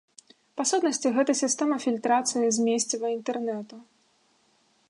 Па сутнасці, гэта сістэма фільтрацыі змесціва інтэрнэту.